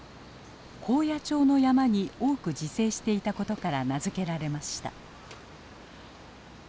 高野町の山に多く自生していたことから名付けられました。